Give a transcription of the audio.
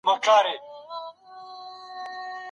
هره ورځ په کثرت سره استغفار وایه.